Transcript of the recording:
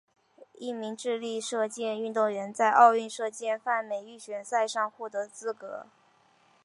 一名智利射箭运动员在奥运射箭泛美预选赛上获得资格。